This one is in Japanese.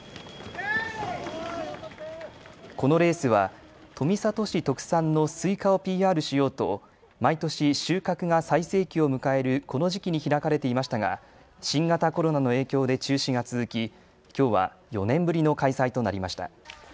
このレースは富里市特産のスイカをＰＲしようと毎年収穫が最盛期を迎えるこの時期に開かれていましたが新型コロナの影響で中止が続き、きょうは４年ぶりの開催となりました。